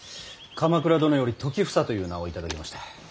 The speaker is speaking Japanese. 鎌倉殿より時房という名を頂きました。